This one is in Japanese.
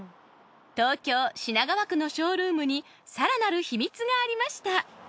東京品川区のショールームにさらなる「秘密」がありました！